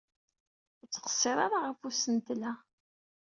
Ur ttqessir ara ɣef usentel-a.